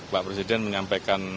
pak presiden menyampaikan